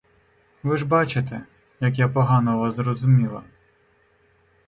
Ви ж бачите, як я погано вас зрозуміла.